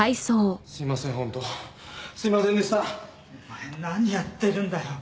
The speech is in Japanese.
お前何やってるんだよ！